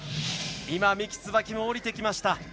今、三木つばきも下りてきました。